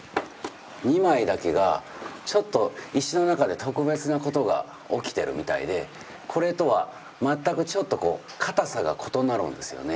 ２枚だけがちょっと石の中で特別なことが起きてるみたいでこれとは全くちょっと硬さが異なるんですよね。